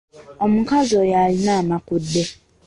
Omukazi oyo alina amakudde.